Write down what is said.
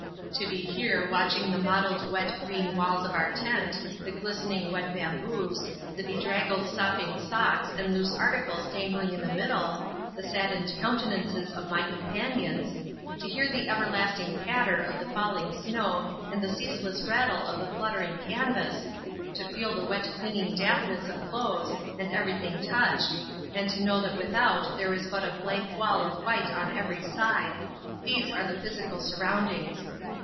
To be here watching the mottled wet green walls of our tent, the glistening wet bamboos, the bedraggled sopping socks and loose articles dangling in the middle, the saddened countenances of my companions to hear the everlasting patter of the falling snow and the ceaseless rattle of the fluttering canvas to feel the wet clinging dampness of clothes and everything touched, and to know that without there is but a blank wall of white on every side these are the physical surroundings.